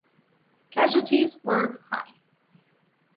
Casualties were high.